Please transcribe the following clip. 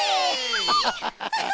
アハハハ。